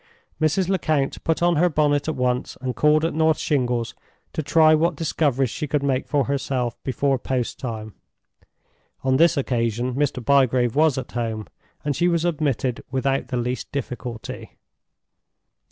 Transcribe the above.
Mrs. Lecount put on her bonnet at once, and called at North Shingles to try what discoveries she could make for herself before post time. On this occasion Mr. Bygrave was at home, and she was admitted without the least difficulty.